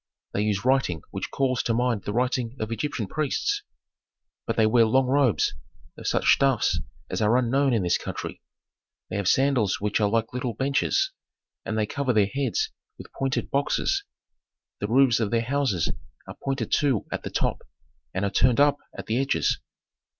They use writing which calls to mind the writing of Egyptian priests. But they wear long robes of such stuffs as are unknown in this country; they have sandals which are like little benches, and they cover their heads with pointed boxes. The roofs of their houses are pointed too at the top, and are turned up at the edges.